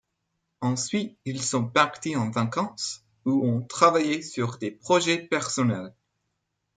Ensuite, ils sont partis en vacances, ou ont travaillé sur des projets personnels.